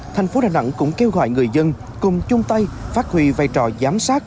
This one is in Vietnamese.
thành phố đà nẵng cũng kêu gọi người dân cùng chung tay phát huy vai trò giám sát